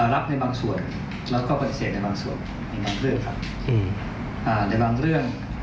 รับในบางส่วนแล้วก็ปฏิเสธในบางส่วนในบางเรื่องครับ